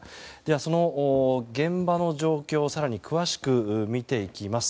その現場の状況を更に詳しく見ていきます。